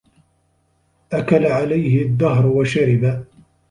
أكل عليه الدهر وشرب